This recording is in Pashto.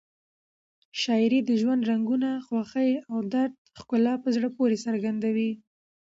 شاعري د ژوند رنګونه، خوښۍ او درد ښکلا په زړه پورې څرګندوي.